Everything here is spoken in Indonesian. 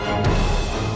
kau ke dalam kamar